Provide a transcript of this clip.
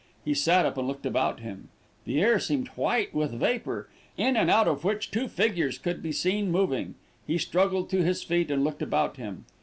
He sat up and looked about him. The air seemed white with vapour, in and out of which two figures could be seen moving. He struggled to his feet and looked about him.